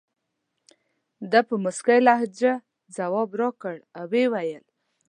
ده په موسکۍ لهجه ځواب راکړ او وویل.